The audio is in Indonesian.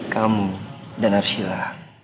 kamu dan arshila